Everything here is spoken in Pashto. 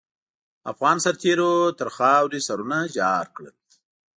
افغان سرتېرو تر خاروې سرونه جار کړل.